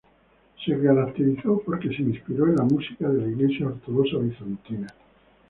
Se caracterizó porque se inspiró en la música de la iglesia ortodoxa bizantina.